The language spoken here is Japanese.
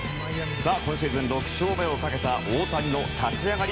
今シーズン６勝目をかけた大谷の立ち上がり。